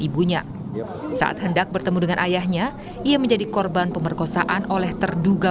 ibunya saat hendak bertemu dengan ayahnya ia menjadi korban pemerkosaan oleh terduga